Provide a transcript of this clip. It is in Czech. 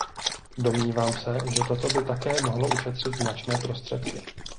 Domnívám se, že toto by také mohlo ušetřit značné prostředky.